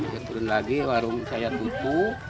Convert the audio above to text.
dia turun lagi warung saya tutup